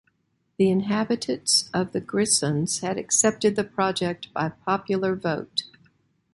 The inhabitants of the Grisons had accepted the project by popular vote.